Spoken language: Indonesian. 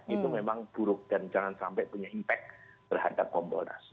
itu memang buruk dan jangan sampai punya impact terhadap komponas